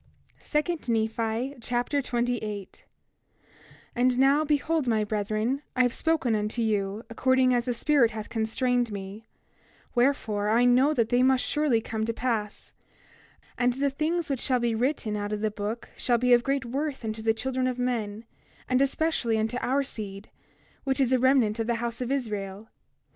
2 Nephi Chapter 28 28:1 And now, behold, my brethren, I have spoken unto you, according as the Spirit hath constrained me; wherefore, I know that they must surely come to pass. 28:2 And the things which shall be written out of the book shall be of great worth unto the children of men, and especially unto our seed, which is a remnant of the house of Israel.